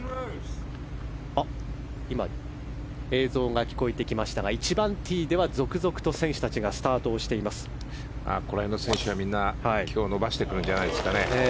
今、映像が見えてきましたが１番ティーでは続々と選手がここら辺の選手は今日、伸ばしてくるんじゃないでしょうか。